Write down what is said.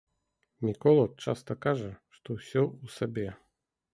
Мікола часта кажа, што ўсё ў сабе.